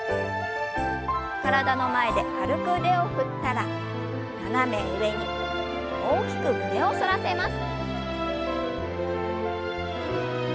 体の前で軽く腕を振ったら斜め上に大きく胸を反らせます。